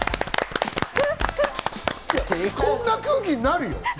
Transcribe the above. こんな空気になるよ。